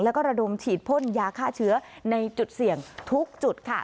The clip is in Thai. แล้วก็ระดมฉีดพ่นยาฆ่าเชื้อในจุดเสี่ยงทุกจุดค่ะ